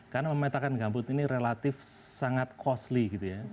karena memetakan gambut ini relatif sangat costly gitu ya